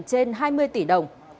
trên hai mươi tỷ đồng